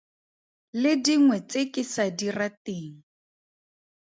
Le dingwe tse ke sa di rateng.